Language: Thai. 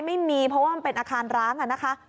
ไม่มีเพราะว่ามันเป็นอาคารร้างอะนะคะ